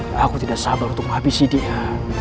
aku tidak sabar untuk menghabisi dia